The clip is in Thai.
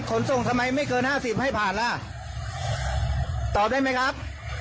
ขนส่งทำไมไม่เกินห้าสิบให้ผ่านล่ะตอบได้ไหมครับ